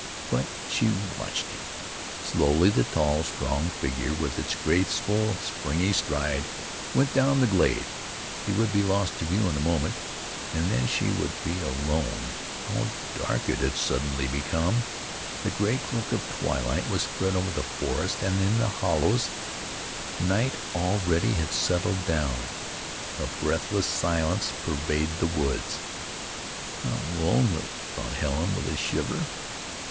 But she watched him. Slowly the tall, strong figure, with its graceful, springy stride, went down the glade. He would be lost to view in a moment, and then she would be alone. How dark it had suddenly become! The gray cloak of twilight was spread over the forest, and in the hollows night already had settled down. A breathless silence pervaded the woods. How lonely! thought Helen, with a shiver.